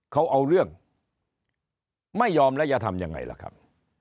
เขาเอาเรื่องไม่ยอมแล้วจะทำยังไงล่ะครับ